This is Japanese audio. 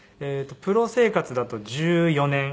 プロ生活だと１４年。